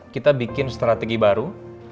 kita bikin strategi baru